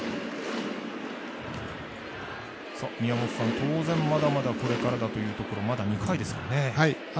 宮本さん、当然、まだまだこれからだというところまだ２回ですからね。